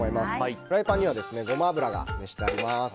フライパンにはゴマ油が熱してあります。